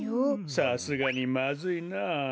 さすがにまずいな。